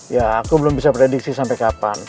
ya aku belum bisa prediksi sampai kapan